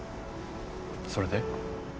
それで？